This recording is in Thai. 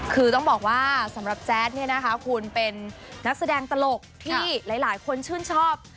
คือต้องบอกว่าสำหรับแจ๊ดเนี่ยนะคะคุณเป็นนักแสดงตลกที่หลายคนชื่นชอบ